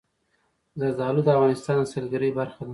زردالو د افغانستان د سیلګرۍ برخه ده.